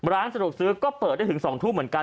ร้านสะดวกซื้อก็เปิดได้ถึง๒ทุ่มเหมือนกัน